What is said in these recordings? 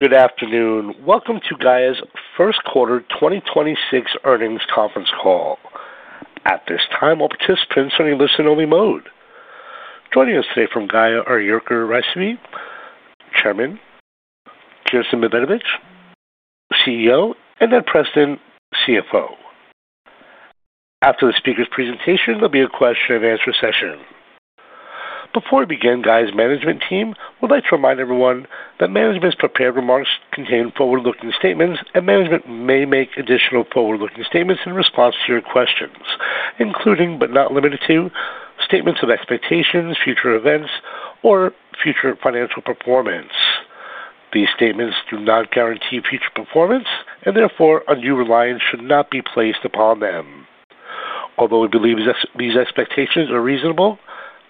Good afternoon. Welcome to Gaia's First Quarter 2026 Earnings Conference Call. At this time, all participants are in listen only mode. Joining us today from Gaia are Jirka Rysavy, Chairman; Kiersten Medvedich, CEO; and Ned Preston, CFO. After the speaker's presentation, there'll be a question and answer session. Before we begin, Gaia's management team would like to remind everyone that management's prepared remarks contain forward-looking statements, and management may make additional forward-looking statements in response to your questions, including, but not limited to, statements of expectations, future events, or future financial performance. These statements do not guarantee future performance, and therefore undue reliance should not be placed upon them. Although we believe these expectations are reasonable,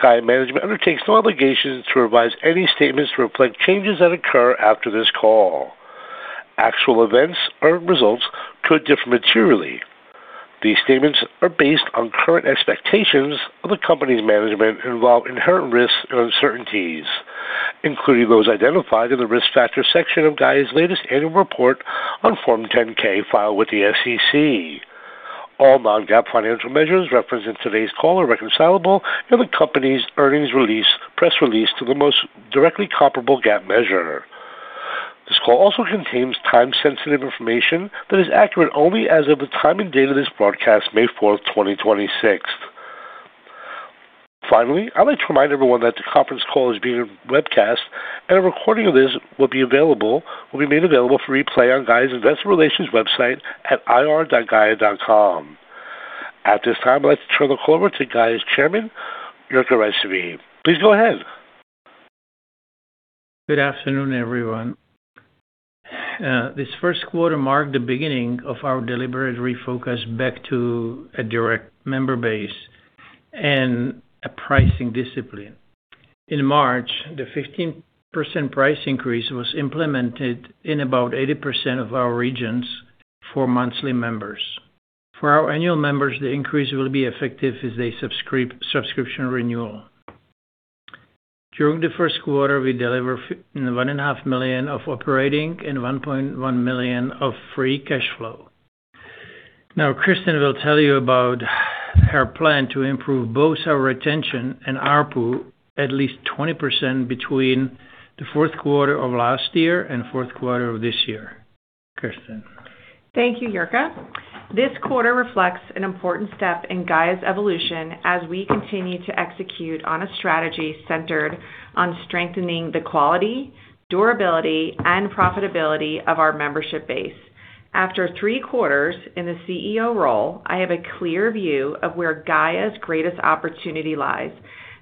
Gaia management undertakes no obligation to revise any statements to reflect changes that occur after this call. Actual events or results could differ materially. These statements are based on current expectations of the company's management and involve inherent risks and uncertainties, including those identified in the Risk Factors section of Gaia's latest annual report on Form 10-K filed with the SEC. All non-GAAP financial measures referenced in today's call are reconcilable in the company's earnings release, press release to the most directly comparable GAAP measure. This call also contains time-sensitive information that is accurate only as of the time and date of this broadcast, May 4, 2026. Finally, I'd like to remind everyone that the conference call is being webcast and a recording of this will be made available for replay on Gaia's Investor Relations website at ir.gaia.com. At this time, I'd like to turn the call over to Gaia's Chairman, Jirka Rysavy. Please go ahead. Good afternoon, everyone. This first quarter marked the beginning of our deliberate refocus back to a direct member base and a pricing discipline. In March, the 15% price increase was implemented in about 80% of our regions for monthly members. For our annual members, the increase will be effective as a subscription renewal. During the first quarter, we delivered one and a half million of operating and $1.1 million of free cash flow. Kiersten will tell you about her plan to improve both our retention and ARPU at least 20% between the fourth quarter of last year and fourth quarter of this year. Kiersten. Thank you, Jirka. This quarter reflects an important step in Gaia's evolution as we continue to execute on a strategy centered on strengthening the quality, durability, and profitability of our membership base. After three quarters in the CEO role, I have a clear view of where Gaia's greatest opportunity lies,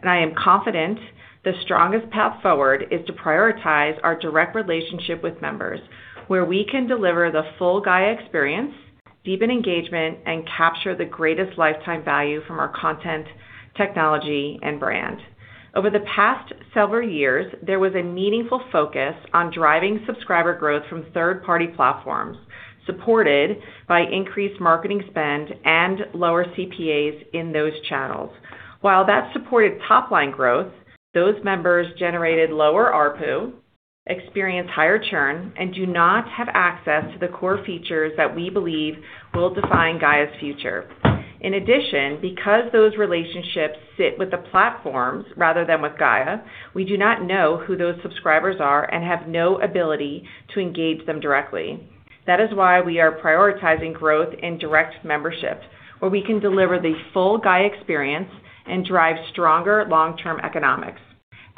and I am confident the strongest path forward is to prioritize our direct relationship with members, where we can deliver the full Gaia experience, deepen engagement, and capture the greatest lifetime value from our content, technology, and brand. Over the past several years, there was a meaningful focus on driving subscriber growth from third-party platforms, supported by increased marketing spend and lower CPAs in those channels. While that supported top-line growth, those members generated lower ARPU, experienced higher churn, and do not have access to the core features that we believe will define Gaia's future. In addition, because those relationships sit with the platforms rather than with Gaia, we do not know who those subscribers are and have no ability to engage them directly. That is why we are prioritizing growth in direct membership, where we can deliver the full Gaia experience and drive stronger long-term economics.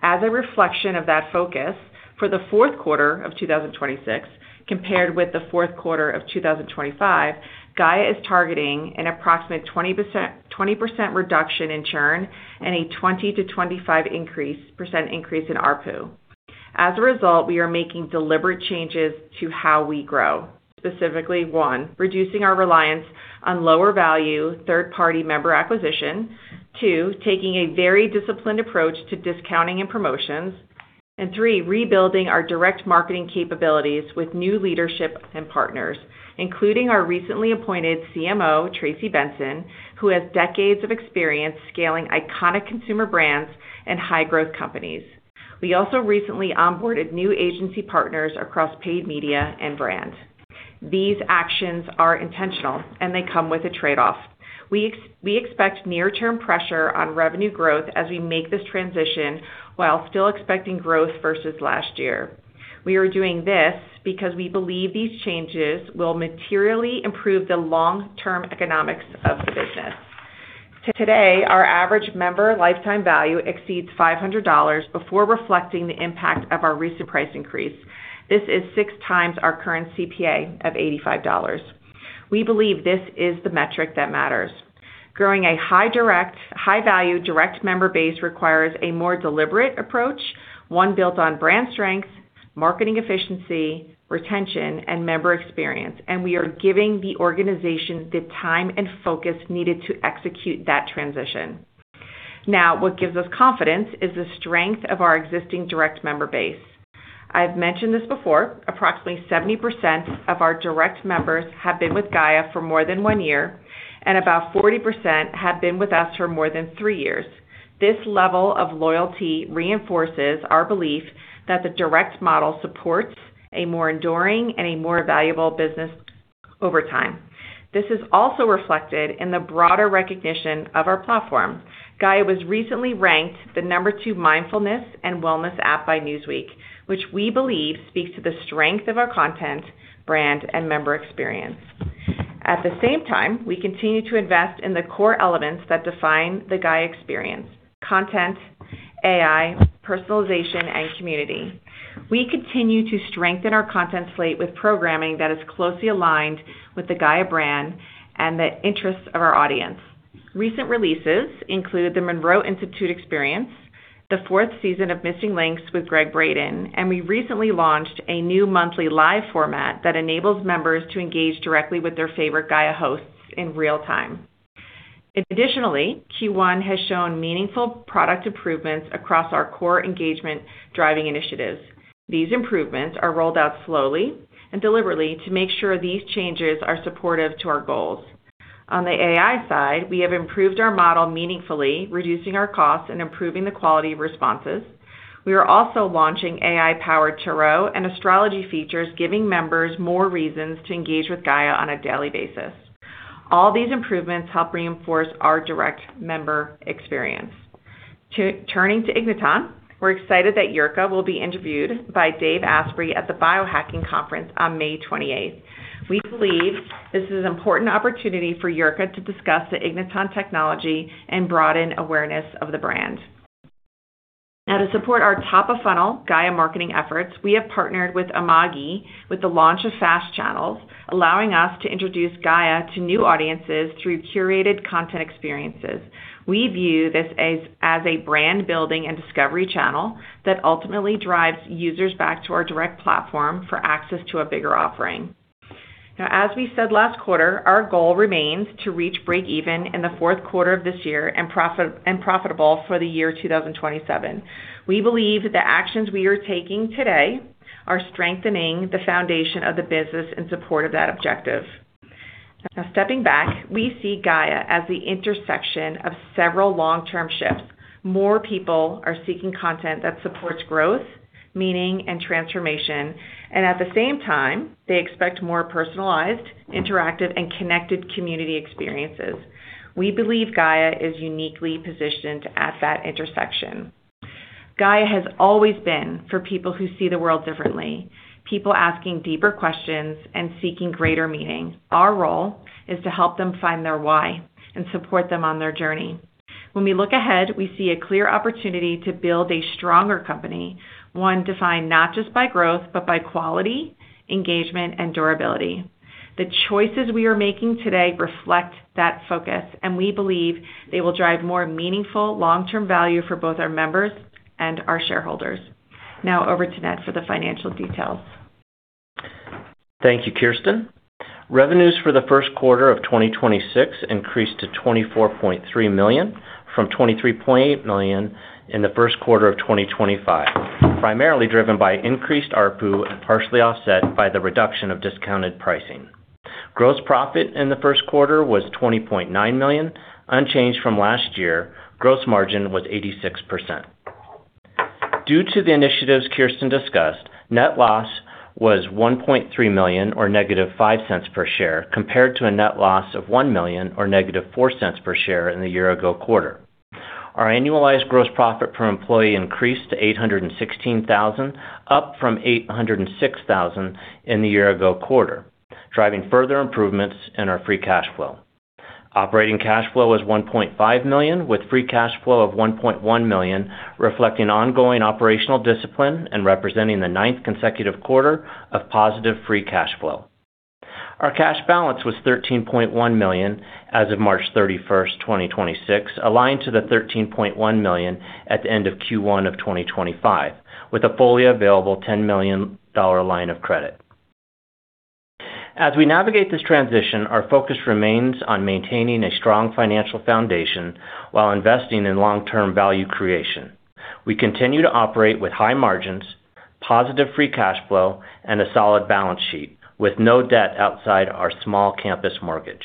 As a reflection of that focus, for the fourth quarter of 2026, compared with the fourth quarter of 2025, Gaia is targeting an approximate 20% reduction in churn and a 20%-25% increase in ARPU. As a result, we are making deliberate changes to how we grow. Specifically, one, reducing our reliance on lower-value third-party member acquisition. Two, taking a very disciplined approach to discounting and promotions. Three, rebuilding our direct marketing capabilities with new leadership and partners, including our recently appointed CMO, Tracy Benson, who has decades of experience scaling iconic consumer brands and high-growth companies. We also recently onboarded new agency partners across paid media and brand. These actions are intentional, and they come with a trade-off. We expect near-term pressure on revenue growth as we make this transition while still expecting growth versus last year. We are doing this because we believe these changes will materially improve the long-term economics of the business. Today, our average member lifetime value exceeds $500 before reflecting the impact of our recent price increase. This is six times our current CPA of $85. We believe this is the metric that matters. Growing a high-value direct member base requires a more deliberate approach, one built on brand strength, marketing efficiency, retention, and member experience. We are giving the organization the time and focus needed to execute that transition. What gives us confidence is the strength of our existing direct member base. I've mentioned this before. Approximately 70% of our direct members have been with Gaia for more than one year, about 40% have been with us for more than three years. This level of loyalty reinforces our belief that the direct model supports a more enduring and a more valuable business over time. This is also reflected in the broader recognition of our platform. Gaia was recently ranked the number two mindfulness and wellness app by Newsweek, which we believe speaks to the strength of our content, brand, and member experience. At the same time, we continue to invest in the core elements that define the Gaia experience: content, AI, personalization, and community. We continue to strengthen our content slate with programming that is closely aligned with the Gaia brand and the interests of our audience. Recent releases include The Monroe Institute experience, the fourth season of Missing Links with Gregg Braden, and we recently launched a new monthly live format that enables members to engage directly with their favorite Gaia hosts in real time. Additionally, Q1 has shown meaningful product improvements across our core engagement-driving initiatives. These improvements are rolled out slowly and deliberately to make sure these changes are supportive to our goals. On the AI side, we have improved our model meaningfully, reducing our costs and improving the quality of responses. We are also launching AI-powered tarot and astrology features, giving members more reasons to engage with Gaia on a daily basis. All these improvements help reinforce our direct member experience. Turning to Igniton, we're excited that Jirka will be interviewed by Dave Asprey at the Biohacking Conference on May 28th. We believe this is an important opportunity for Jirka to discuss the Igniton technology and broaden awareness of the brand. To support our top-of-funnel Gaia marketing efforts, we have partnered with Amagi with the launch of FAST Channels, allowing us to introduce Gaia to new audiences through curated content experiences. We view this as a brand-building and discovery channel that ultimately drives users back to our direct platform for access to a bigger offering. As we said last quarter, our goal remains to reach break even in the fourth quarter of this year and profitable for the year 2027. We believe the actions we are taking today are strengthening the foundation of the business in support of that objective. Stepping back, we see Gaia as the intersection of several long-term shifts. More people are seeking content that supports growth, meaning, and transformation. At the same time, they expect more personalized, interactive, and connected community experiences. We believe Gaia is uniquely positioned at that intersection. Gaia has always been for people who see the world differently, people asking deeper questions and seeking greater meaning. Our role is to help them find their why and support them on their journey. When we look ahead, we see a clear opportunity to build a stronger company, one defined not just by growth, but by quality, engagement, and durability. The choices we are making today reflect that focus, and we believe they will drive more meaningful long-term value for both our members and our shareholders. Now over to Ned for the financial details. Thank you, Kiersten. Revenues for the first quarter of 2026 increased to $24.3 million from $23.8 million in the first quarter of 2025, primarily driven by increased ARPU and partially offset by the reduction of discounted pricing. Gross profit in the first quarter was $20.9 million, unchanged from last year. Gross margin was 86%. Due to the initiatives Kiersten discussed, net loss was $1.3 million or -$0.05 per share, compared to a net loss of $1 million or -$0.04 per share in the year ago quarter. Our annualized gross profit per employee increased to $816,000, up from $806,000 in the year ago quarter, driving further improvements in our free cash flow. Operating cash flow was $1.5 million, with free cash flow of $1.1 million, reflecting ongoing operational discipline and representing the ninth consecutive quarter of positive free cash flow. Our cash balance was $13.1 million as of March 31st, 2026, aligned to the $13.1 million at the end of Q1 of 2025, with a fully available $10 million line of credit. As we navigate this transition, our focus remains on maintaining a strong financial foundation while investing in long-term value creation. We continue to operate with high margins, positive free cash flow, and a solid balance sheet, with no debt outside our small campus mortgage.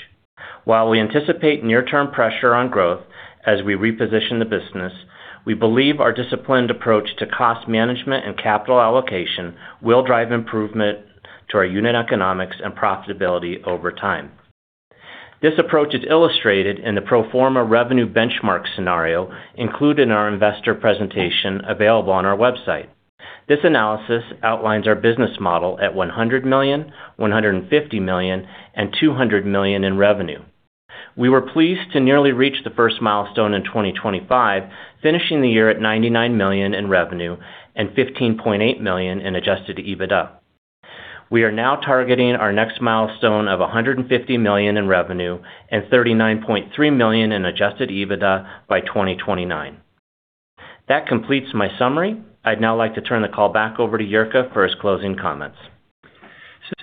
While we anticipate near-term pressure on growth as we reposition the business, we believe our disciplined approach to cost management and capital allocation will drive improvement to our unit economics and profitability over time. This approach is illustrated in the pro forma revenue benchmark scenario included in our investor presentation available on our website. This analysis outlines our business model at $100 million, $150 million, and $200 million in revenue. We were pleased to nearly reach the first milestone in 2025, finishing the year at $99 million in revenue and $15.8 million in adjusted EBITDA. We are now targeting our next milestone of $150 million in revenue and $39.3 million in adjusted EBITDA by 2029. That completes my summary. I'd now like to turn the call back over to Jirka for his closing comments.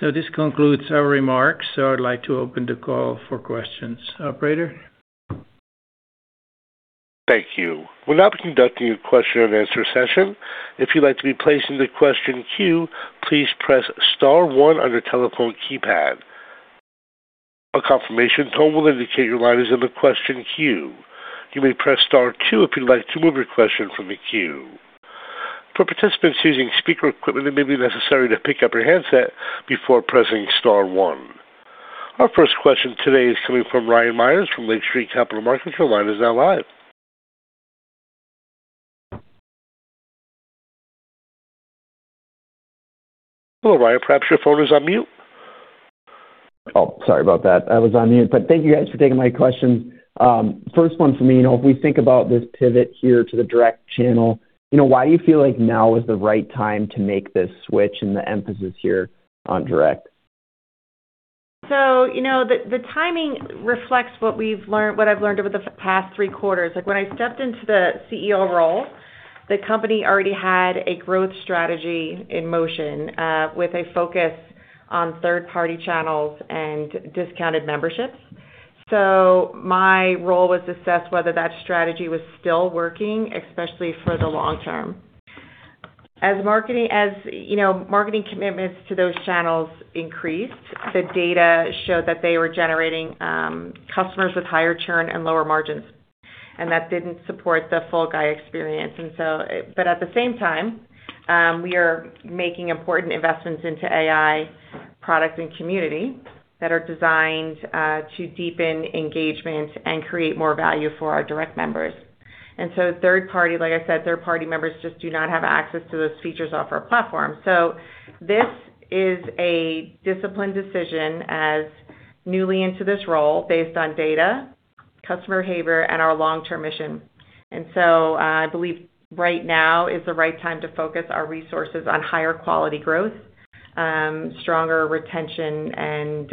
This concludes our remarks. I'd like to open the call for questions. Operator? Our first question today is coming from Ryan Meyers from Lake Street Capital Markets. Your line is now live. Hello, Ryan. Perhaps your phone is on mute. Oh, sorry about that. I was on mute. Thank you guys for taking my question. First one for me. You know, if we think about this pivot here to the direct channel, you know, why do you feel like now is the right time to make this switch and the emphasis here on direct? You know, the timing reflects what I've learned over the past three quarters. Like, when I stepped into the CEO role, the company already had a growth strategy in motion, with a focus on third-party channels and discounted memberships. My role was to assess whether that strategy was still working, especially for the long term. As marketing, you know, marketing commitments to those channels increased, the data showed that they were generating customers with higher churn and lower margins, and that didn't support the full Gaia experience. At the same time, we are making important investments into AI products and community that are designed to deepen engagement and create more value for our direct members. Third-party, like I said, third-party members just do not have access to those features off our platform. This is a disciplined decision as newly into this role based on data, customer behavior, and our long-term mission. I believe right now is the right time to focus our resources on higher quality growth, stronger retention and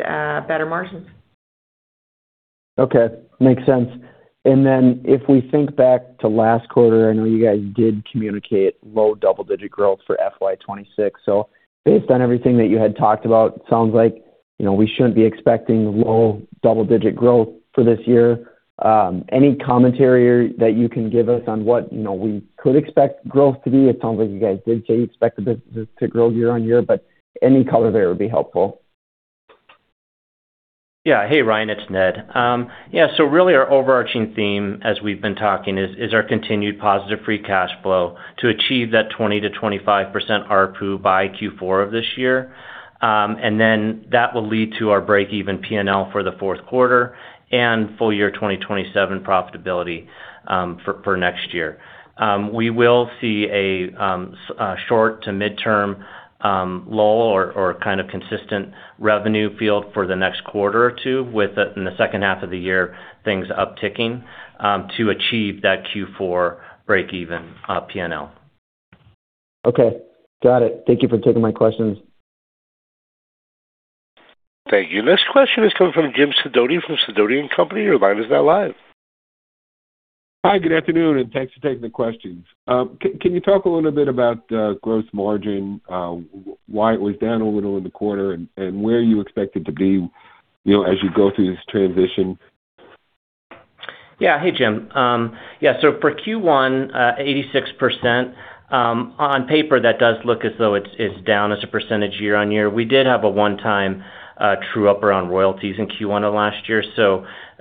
better margins. Okay. Makes sense. Then if we think back to last quarter, I know you guys did communicate low double-digit growth for FY 2026. Based on everything that you had talked about, it sounds like, you know, we shouldn't be expecting low double-digit growth for this year. Any commentary that you can give us on what, you know, we could expect growth to be? It sounds like you guys did say you expect the business to grow year-over-year, any color there would be helpful. Hey, Ryan, it's Ned. Really our overarching theme as we've been talking is our continued positive free cash flow to achieve that 20%-25% ARPU by Q4 of this year. That will lead to our break-even P&L for the fourth quarter and full year 2027 profitability for next year. We will see a short to midterm lull or kind of consistent revenue field for the next one or two quarters in the second half of the year, things upticking to achieve that Q4 break even P&L. Okay. Got it. Thank you for taking my questions. Thank you. Next question is coming from Jim Sidoti from Sidoti & Company. Your line is now live. Hi, good afternoon, and thanks for taking the questions. Can you talk a little bit about gross margin, why it was down a little in the quarter and where you expect it to be, you know, as you go through this transition? Hey, Jim. For Q1, 86% on paper, that does look as though it's down as a percentage year-on-year. We did have a one-time true up around royalties in Q1 of last year.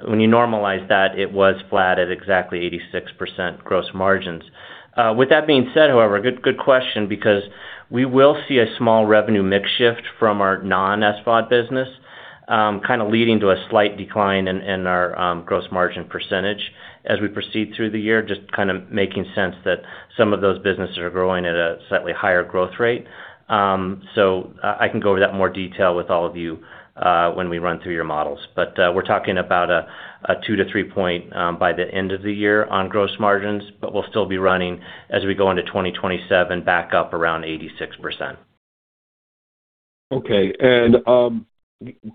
When you normalize that, it was flat at exactly 86% gross margins. With that being said, however, good question because we will see a small revenue mix shift from our non-SVOD business, kind of leading to a slight decline in our gross margin percentage as we proceed through the year, just kind of making sense that some of those businesses are growing at a slightly higher growth rate. I can go over that in more detail with all of you when we run through your models. We're talking about a 2-3 point by the end of the year on gross margins, but we'll still be running as we go into 2027 back up around 86%. Okay.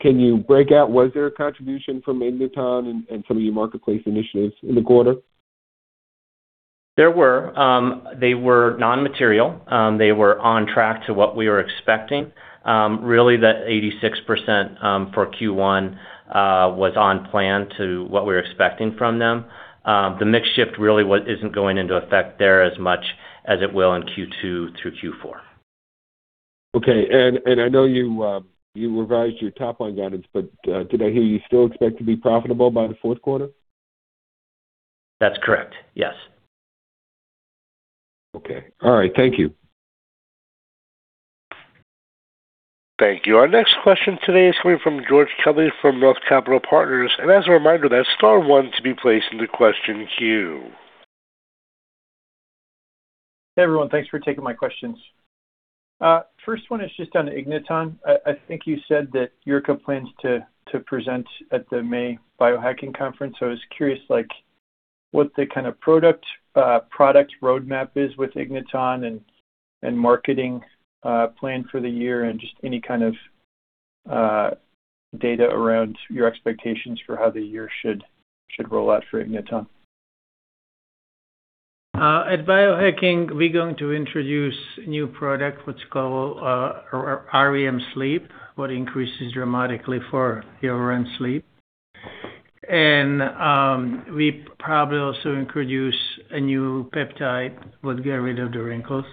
Can you break out, was there a contribution from Igniton and some of your marketplace initiatives in the quarter? There were. They were non-material. They were on track to what we were expecting. Really that 86%, for Q1, was on plan to what we were expecting from them. The mix shift really isn't going into effect there as much as it will in Q2 through Q4. Okay. I know you revised your top-line guidance, but, did I hear you still expect to be profitable by the fourth quarter? That's correct, yes. Okay. All right. Thank you. Thank you. Our next question today is coming from George Kelly from ROTH Capital Partners. As a reminder, that's star one to be placed in the question queue. Hey, everyone. Thanks for taking my questions. first one is just on the Igniton. I think you said that Jirka plans to present at the May Biohacking Conference. I was curious, like, what the kind of product roadmap is with Igniton and marketing plan for the year and just any kind of data around your expectations for how the year should roll out for Igniton. At Biohacking, we're going to introduce new product what's called REM Sleep. What increases dramatically for your REM Sleep. We probably also introduce a new peptide that get rid of the wrinkles.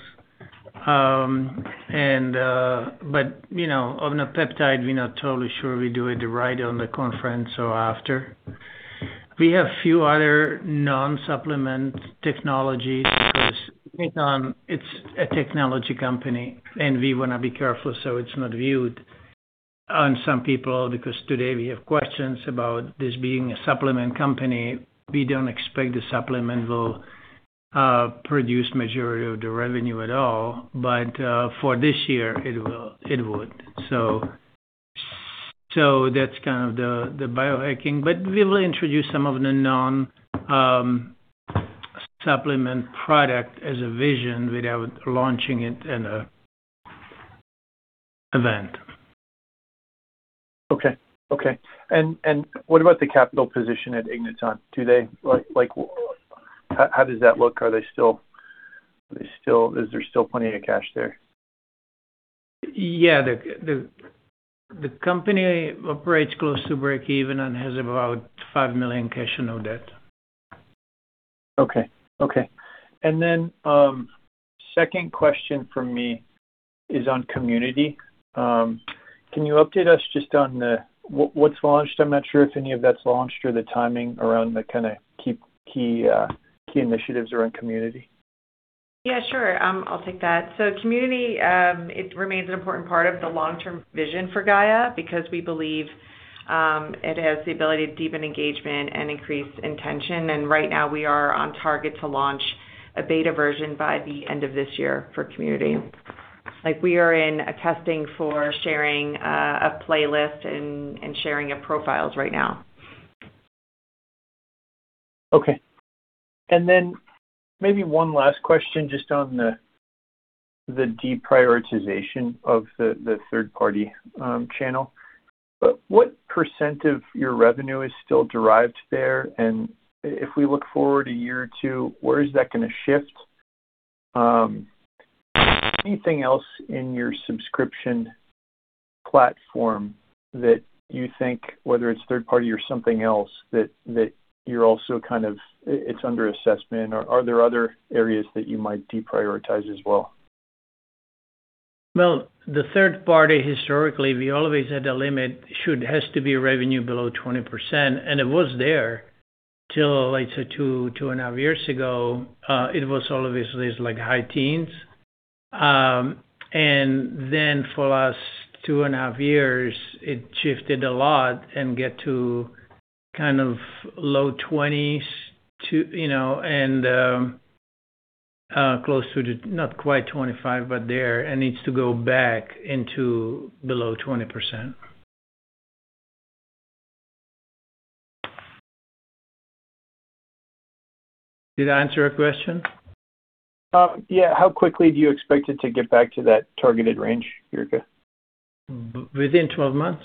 You know, on the peptide, we're not totally sure we do it right on the Biohacking Conference or after. We have few other non-supplement technologies. It's a technology company, and we wanna be careful so it's not viewed on some people because today we have questions about this being a supplement company. We don't expect the supplement will produce majority of the revenue at all. For this year, it will, it would. That's kind of the Biohacking. We will introduce some of the non supplement product as a vision without launching it in a event. Okay. Okay. What about the capital position at Igniton? Like, how does that look? Is there still plenty of cash there? Yeah. The company operates close to breakeven and has about $5 million cash and no debt. Okay. Okay. Second question from me is on community. Can you update us just on what's launched? I'm not sure if any of that's launched or the timing around the kinda key initiatives around community. Yeah, sure. I'll take that. Community, it remains an important part of the long-term vision for Gaia because we believe it has the ability to deepen engagement and increase intention. Right now we are on target to launch a beta version by the end of this year for community. Like, we are in a testing for sharing a playlist and sharing your profiles right now. Maybe one last question just on the deprioritization of the third party channel. What percentage of your revenue is still derived there? If we look forward a year or two, where is that gonna shift? Anything else in your subscription platform that you think, whether it's third party or something else, that you're also kind of, it's under assessment or are there other areas that you might deprioritize as well? Well, the third party, historically, we always had a limit, has to be revenue below 20%, it was there till, let's say, two and a half years ago. It was always at least like high teens. Then for last two and a half years, it shifted a lot and get to kind of low 20s to, you know, close to the, not quite 25, but there. It needs to go back into below 20%. Did I answer your question? Yeah. How quickly do you expect it to get back to that targeted range, Jirka? Within 12 months.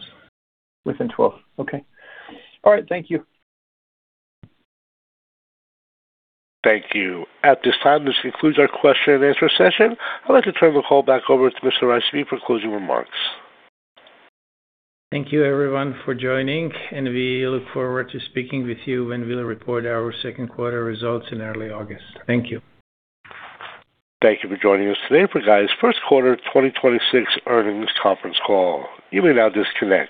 Within 12. Okay. All right. Thank you. Thank you. At this time, this concludes our question and answer session. I'd like to turn the call back over to Mr. Rysavy for closing remarks. Thank you everyone for joining. We look forward to speaking with you when we'll report our second quarter results in early August. Thank you. Thank you for joining us today for Gaia's first quarter 2026 earnings conference call. You may now disconnect.